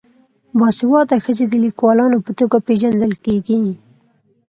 باسواده ښځې د لیکوالانو په توګه پیژندل کیږي.